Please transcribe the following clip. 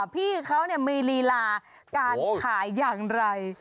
พี่เขาเนี่ยมีรีหลาการขายอย่างไร